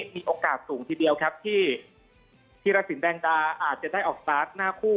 มีโอกาสสูงทีเดียวครับที่ธีรสินแดงดาอาจจะได้ออกสตาร์ทหน้าคู่